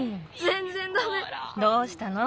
どうしたの？